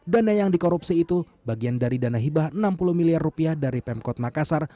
dana yang dikorupsi itu bagian dari dana hibah enam puluh miliar rupiah dari pemkot makassar